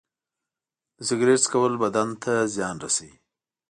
د سګرټ څکول بدن زیان رسوي.